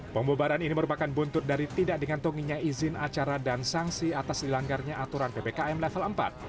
pembubaran ini merupakan buntut dari tidak digantunginya izin acara dan sanksi atas dilanggarnya aturan ppkm level empat